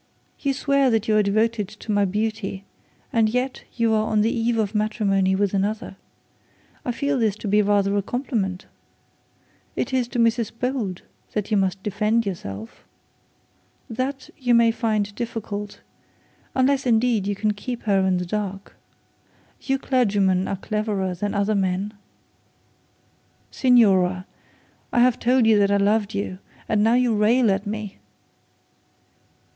You swear that you are devoted to my beauty, and yet you are on the eve of matrimony with another. I feel this to be rather a compliment. It is to Mrs Bold that you must defend yourself. That you may find difficult; unless, indeed, you can keep her in the dark. You clergymen are cleverer than other men.' 'Signora, I have told you that I loved you, and now you rail at me?'